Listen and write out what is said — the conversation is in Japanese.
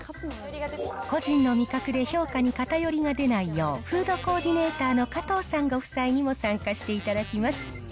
個人の味覚で評価に偏りが出ないよう、フードコーディネーターの加藤さんご夫妻にも参加していただきます。